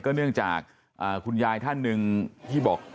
เนื่องจากคุณยายท่านหนึ่งที่บอก